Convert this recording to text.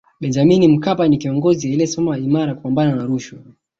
benjamin mkapa ni kiongozi aliyesimama imara kupambana na rushwa